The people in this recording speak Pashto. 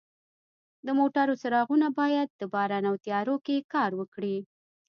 د موټرو څراغونه باید د باران او تیارو کې کار وکړي.